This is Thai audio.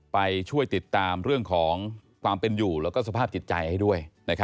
ไปช่วยติดตามเรื่องของความเป็นอยู่แล้วก็สภาพจิตใจให้ด้วย